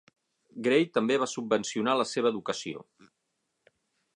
Gray també va subvencionar la seva educació.